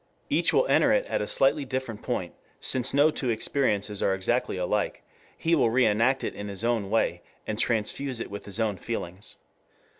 Each will enter it at a slightly different point, since no two experiences are exactly alike; he will reenact it in his own way, and transfuse it with his own feelings.